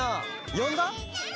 よんだ！